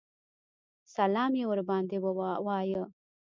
سلام یې ورباندې وایه.